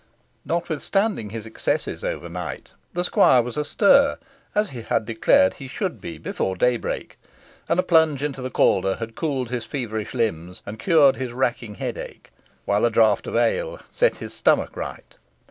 Notwithstanding his excesses overnight, the squire was astir, as he had declared he should be, before daybreak; and a plunge into the Calder had cooled his feverish limbs and cured his racking headache, while a draught of ale set his stomach right.